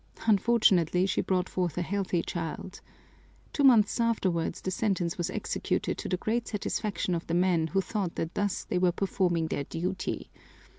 Unfortunately, she brought forth a healthy child. Two months afterwards, the sentence was executed to the great satisfaction of the men who thought that thus they were performing their duty.